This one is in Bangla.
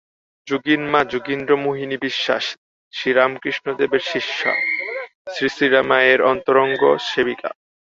যোগীন-মা যোগীন্দ্রমোহিনী বিশ্বাস, শ্রীরামকৃষ্ণদেবের শিষ্যা, শ্রীশ্রীমায়ের অন্তরঙ্গ সেবিকা।